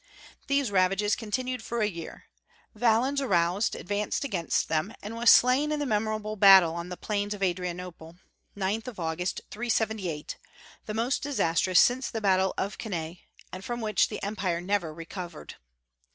These ravages continued for a year. Valens, aroused, advanced against them, and was slain in the memorable battle on the plains of Adrianople, 9th of August, 378, the most disastrous since the battle of Cannae, and from which the Empire never recovered.